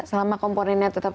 selama komponennya tetap